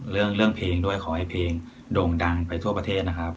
เรื่องเพลงด้วยขอให้เพลงโด่งดังไปทั่วประเทศนะครับ